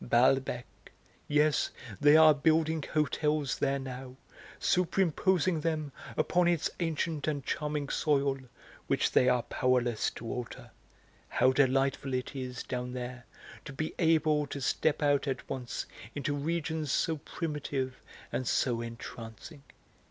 Balbec; yes, they are building hotels there now, superimposing them upon its ancient and charming soil, which they are powerless to alter; how delightful it is, down there, to be able to step out at once into regions so primitive and so entrancing."